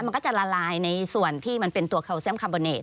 มันก็จะละลายในส่วนที่มันเป็นตัวแคลเซียมคาร์โบเนต